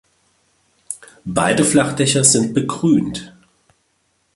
Beide Flachdächer sind begrünt.